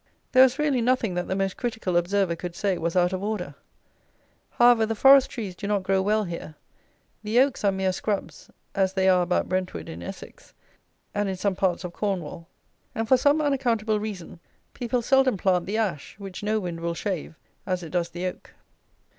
There was really nothing that the most critical observer could say was out of order. However, the forest trees do not grow well here. The oaks are mere scrubs, as they are about Brentwood in Essex, and in some parts of Cornwall; and, for some unaccountable reason, people seldom plant the ash, which no wind will shave, as it does the oak.